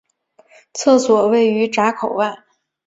厕所位于闸口外。